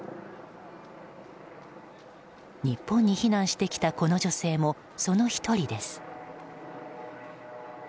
日本に避難してきたこの女性もその１人です。